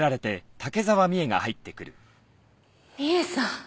美枝さん。